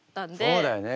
そうだよね